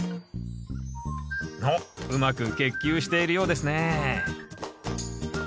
おっうまく結球しているようですね